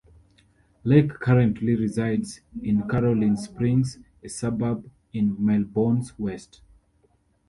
Lake currently resides in Caroline Springs, a suburb in Melbourne's west.